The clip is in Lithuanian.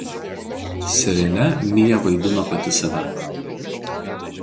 Seriale Mia vaidino pati save.